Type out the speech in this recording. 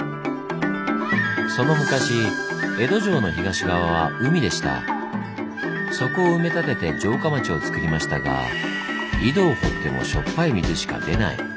その昔そこを埋め立てて城下町をつくりましたが井戸を掘ってもしょっぱい水しか出ない。